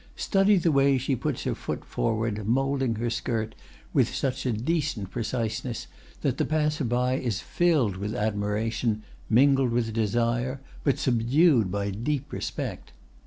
Study the way she puts her foot forward moulding her skirt with such a decent preciseness that the passer by is filled with admiration, mingled with desire, but subdued by deep respect.